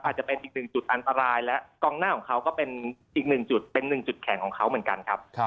อาจจะเป็นอีกหนึ่งจุดอันตรายและกองหน้าของเขาก็เป็นอีกหนึ่งจุดเป็นหนึ่งจุดแข็งของเขาเหมือนกันครับ